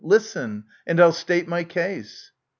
Listen, and I'll state my case.